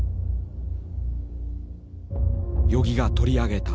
与儀が取り上げた。